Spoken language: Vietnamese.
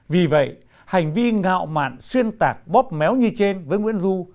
vì vậy hành vi ngạo mạng xuyên tạc bóp méo như trên với nguyễn du